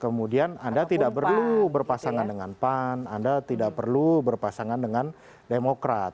kemudian anda tidak perlu berpasangan dengan pan anda tidak perlu berpasangan dengan demokrat